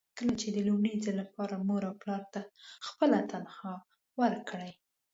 کله چې د لومړي ځل لپاره مور او پلار ته خپله تنخوا ورکړئ.